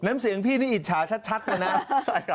น้ำเสียงพี่ชั้นอิจฉาชัดมาน้ำเสียงพี่นะ